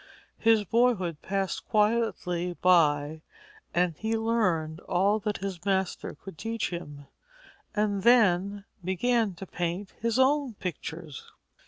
His boyhood passed quietly by and he learned all that his master could teach him, and then began to paint his own pictures.